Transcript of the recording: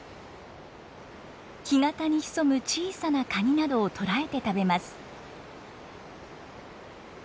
干潟に潜む小さなカニなどを捕らえて食べます。